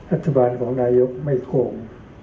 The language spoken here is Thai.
รัฐบาลของนายกไม่โกง